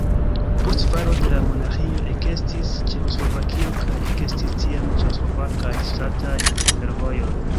Post disfalo de la monarĥio ekestis Ĉeĥoslovakio kaj ekestis tiam Ĉeĥoslovakaj ŝtataj fervojoj.